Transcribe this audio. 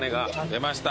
出ました。